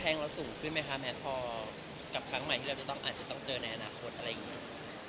เราสูงขึ้นไหมคะแมทพอกับครั้งใหม่ที่เราจะต้องอาจจะต้องเจอในอนาคตอะไรอย่างนี้